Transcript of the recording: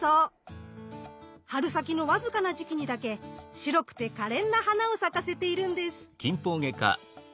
春先のわずかな時期にだけ白くてかれんな花を咲かせているんです。